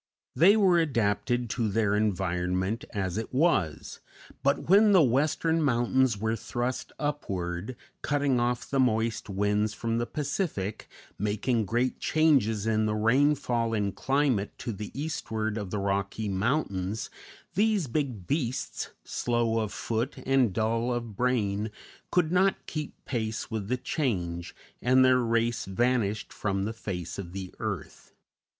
They were adapted to their environment as it was; but when the western mountains were thrust upward, cutting off the moist winds from the Pacific, making great changes in the rainfall and climate to the eastward of the Rocky Mountains, these big beasts, slow of foot and dull of brain, could not keep pace with the change, and their race vanished from the face of the earth.